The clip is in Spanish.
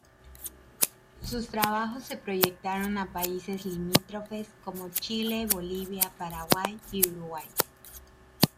Sus trabajos se proyectaron a países limítrofes como Chile, Bolivia, Paraguay y Uruguay.